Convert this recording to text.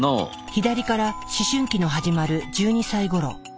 左から思春期の始まる１２歳ごろ。